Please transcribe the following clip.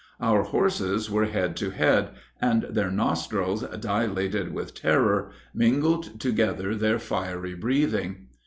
Our horses were head to head, and their nostrils, dilated with terror, mingled together their fiery breathing.